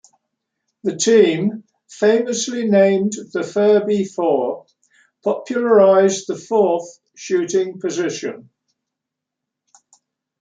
The team, famously named The Ferbey Four, popularized the "fourth" shooting position.